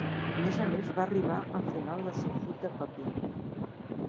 A més a més, va arribar al final del seu full de paper.